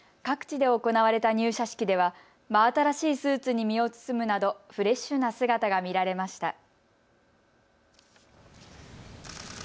各地で行われた入社式では真新しいスーツに身を包むなどフレッシュな姿が見られました。